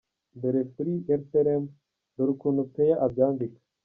Dore kuli Rtlm, dore ukuntu Peya abyandika